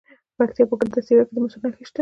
د پکتیا په ګرده څیړۍ کې د مسو نښې شته.